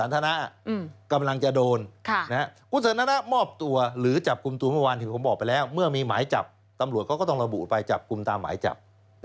ตำรวจเขาก็ต้องระบุไปจับกลุ่มตามหมายจับ